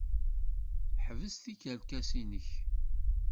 Ḥbes tikerkas-nnek!